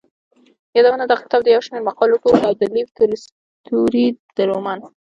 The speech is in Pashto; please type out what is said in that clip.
يادونه دغه کتاب د يو شمېر مقالو ټولګه او د لېف تولستوري د رومان.